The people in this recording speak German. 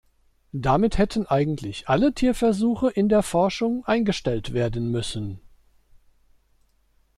Damit hätten eigentlich alle Tierversuche in der Forschung eingestellt werden müssen.